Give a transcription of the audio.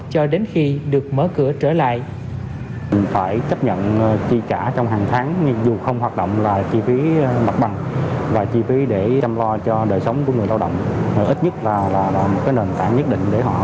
cho đến khi được mở cửa trở lại